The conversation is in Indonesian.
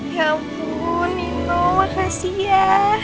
ya ampun itu makasih ya